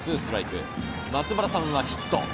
松原さんはヒット。